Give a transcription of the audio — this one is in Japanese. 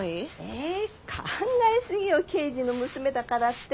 え考え過ぎよ刑事の娘だからって。